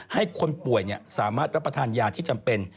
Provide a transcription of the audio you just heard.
ให้คนป่วยสามารถรับประทานยาที่จำเป็น